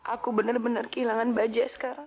aku bener bener kehilangan bajah sekarang